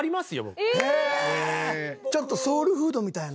ちょっとソウルフードみたいな？